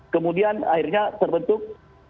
kemudian akhirnya terbentuk